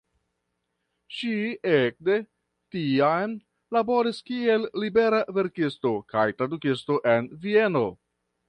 Ŝi ekde tiam laboris kiel libera verkisto kaj tradukisto en Vieno.